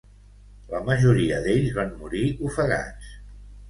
La majoria d'ells van morir ofegats.